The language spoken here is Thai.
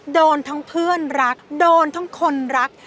โดนทั้งเพื่อนรักโดนทั้งคนรัก